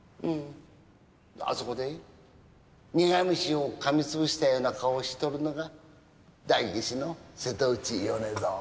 あそこで苦虫を噛み潰したような顔をしとるのが代議士の瀬戸内米蔵。